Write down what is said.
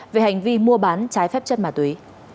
về hành vi mua bán trái phép chất ma túy